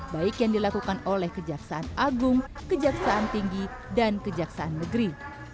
baik yang dilakukan oleh kejaksaan agung kejaksaan tinggi dan kejaksaan negeri